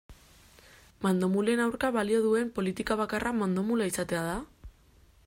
Mandomulen aurka balio duen politika bakarra mandomula izatea da?